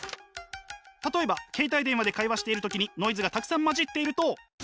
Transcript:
例えば携帯電話で会話している時にノイズがたくさん混じっていると。